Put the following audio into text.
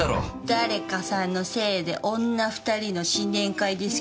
誰かさんのせいで女２人の新年会ですけど何か？